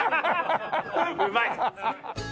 うまい。